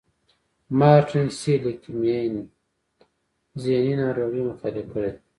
مارټين سېليګ مېن ذهني ناروغۍ مطالعه کړې دي.